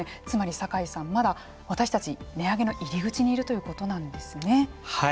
つまり酒井さん、まだ私たち値上げの入り口にいるということなんですね。